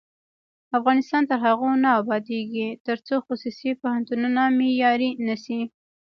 افغانستان تر هغو نه ابادیږي، ترڅو خصوصي پوهنتونونه معیاري نشي.